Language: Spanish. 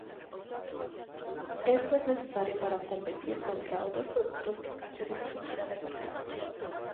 Esto es necesario para competir contra otros productos de cache distribuida del mercado.